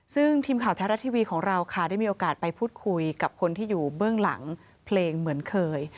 ซึ่งทีมข่าวแท้รัฐทีวีของเราค่ะได้มีโอกาสไปพูดคุยกับคนที่อยู่เบื้องหลังเพลงเหมือนเคย